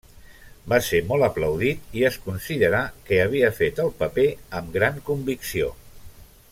Va ser molt aplaudit i es considerà que havia fet el paper amb gran convicció.